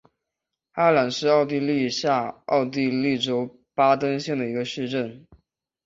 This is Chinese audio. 阿兰是奥地利下奥地利州巴登县的一个市镇。